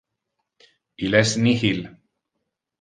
Il es nihil